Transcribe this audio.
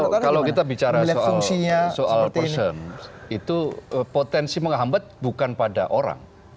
kalau kita bicara soal person itu potensi menghambat bukan pada orang